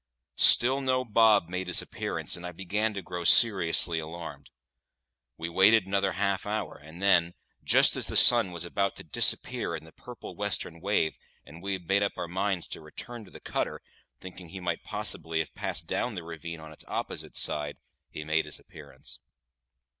Still no Bob made his appearance, and I began to grow seriously alarmed. We waited another half hour, and then, just as the sun was about to disappear in the purple western wave, and we had made up our minds to return to the cutter, thinking he might possibly have passed down the ravine on its opposite side, he made his appearance.